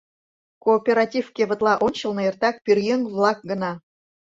Кооператив кевытла ончылно эртак пӧръеҥ-влак гына.